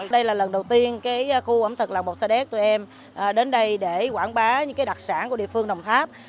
đây là lần đầu tiên khu ẩm thực lào bột sa đéc tụi em đến đây để quảng bá những đặc sản của địa phương đồng tháp